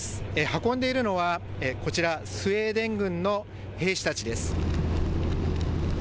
運んでいるのは、こちら、スウェーデン軍の兵士たちです。